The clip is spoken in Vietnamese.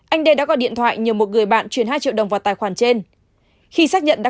anh đê đã gọi điện thoại nhờ một người bạn chuyển hai triệu đồng vào tài khoản trên khi xác nhận đã